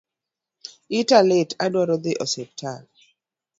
Ita lit adwa dhi osiptal